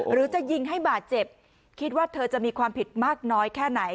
หรือจะยิงให้บาดเจ็บคิดว่าเธอจะมีความผิดมากน้อยแค่ไหน